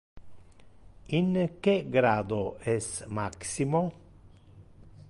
In que grado es Maximo?